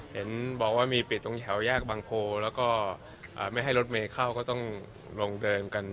เห็นบอกว่ามีปิดตรงแถวแยกบางโพแล้วก็ไม่ให้รถเมย์เข้าก็ต้องลงเดินกัน